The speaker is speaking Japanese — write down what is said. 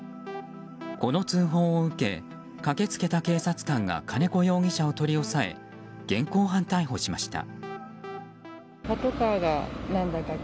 この通報を受け駆け付けた警察官が金子容疑者を取り押さえ現行犯逮捕しました。